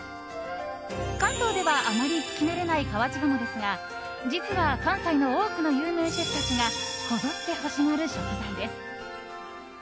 関東ではあまり聞き慣れない河内鴨ですが実は、関西の多くの有名シェフたちがこぞって欲しがる食材です。